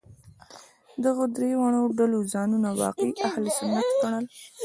دغو درې واړو ډلو ځانونه واقعي اهل سنت ګڼل.